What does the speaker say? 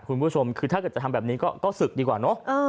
คุณผู้ชมคือถ้าเกิดจะทำแบบนี้ก็ศึกดีกว่าเนอะ